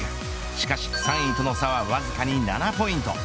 しかし３位との差はわずか７ポイント。